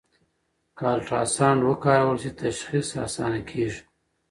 که الټراساؤنډ وکارول شي، تشخیص اسانه کېږي.